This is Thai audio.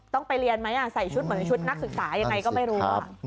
ต้องไปเรียนไหมใส่ชุดเหมือนชุดนักศึกษายังไงก็ไม่รู้